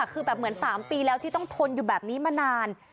คือแบบเหมือน๓ปีแล้วที่ต้องทนอยู่แบบนี้มานาน